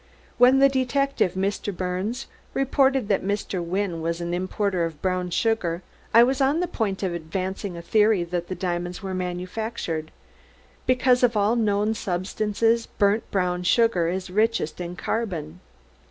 When the detective, Mr. Birnes, reported that Mr. Wynne was an importer of brown sugar I was on the point of advancing a theory that the diamonds were manufactured, because of all known substances burnt brown sugar is richest in carbon.